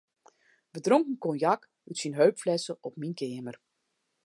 We dronken konjak út syn heupflesse op myn keamer.